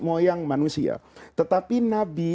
moyang manusia tetapi nabi